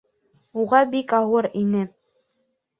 Уға бик ауыр ине.